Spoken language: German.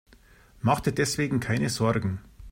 Mach dir deswegen keine Sorgen.